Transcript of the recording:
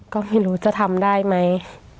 ก็ไม่รู้จะทำได้ไหม